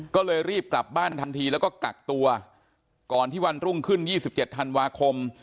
ก็เลยรีบกลับบ้านทันทีแล้วก็กักตัวก่อนที่วันรุ่งขึ้น๒๗ธันวาคม